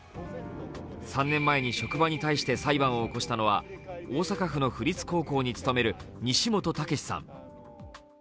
３年前に職場に対して裁判を起こしたのは大阪府の府立高校に勤める西本武史さん。